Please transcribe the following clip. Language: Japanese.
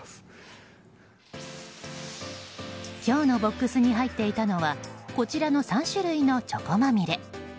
今日のボックスに入っていたのはこちらの３種類のチョコまみれ。